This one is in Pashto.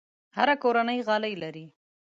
هره کورنۍ غالۍ لري.